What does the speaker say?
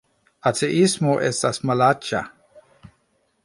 Ateismo estas malaĉa